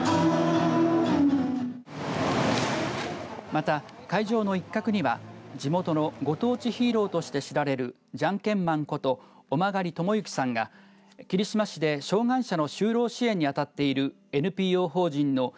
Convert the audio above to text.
また会場の一角には地元のご当地ヒーローとして知られるじゃんけんマンこと尾曲智幸さんが霧島市で障害者の就労支援にあたっているＮＰＯ法人のｅ